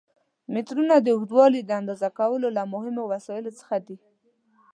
مترونه د اوږدوالي د اندازه کولو له مهمو وسایلو څخه دي.